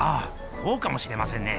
そうかもしれませんね。